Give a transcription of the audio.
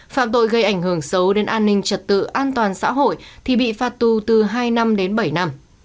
phạm tội gây ảnh hưởng xấu đến an ninh trật tự an toàn xã hội thì bị phạt tù từ hai năm đến bảy năm